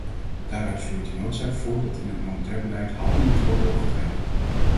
Daaruit vloeit de noodzaak voort dat in het monetair beleid handelend wordt opgetreden.